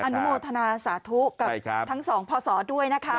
อนุโมทนาสาธุกับทั้งสองพศด้วยนะคะ